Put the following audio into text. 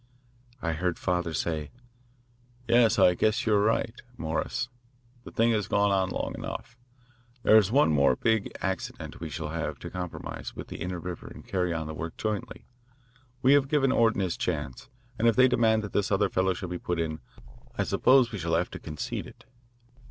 I heard father say: 'Yes, I guess you are right, Morris. The thing has gone on long enough. If there is one more big accident we shall have to compromise with the Inter River and carry on the work jointly. We have given Orton his chance, and if they demand that this other fellow shall be put in, I suppose we shall have to concede it.'